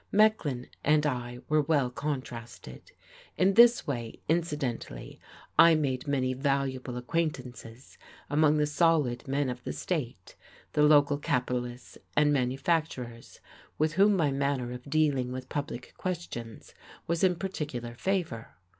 Mecklin and I were well contrasted. In this way, incidentally, I made many valuable acquaintances among the "solid" men of the state, the local capitalists and manufacturers, with whom my manner of dealing with public questions was in particular favour.